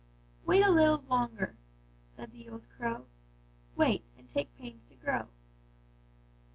"'Wait a little longer,' said the old crow; 'wait, and take pains to grow!'